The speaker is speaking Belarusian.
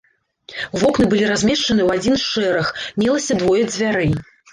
Вокны былі размешчаны ў адзін шэраг, мелася двое дзвярэй.